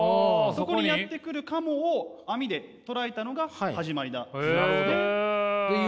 そこにやって来る鴨を網で捕らえたのが始まりだそうなんですね。